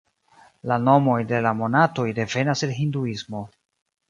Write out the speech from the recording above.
La nomoj de la monatoj devenas el Hinduismo.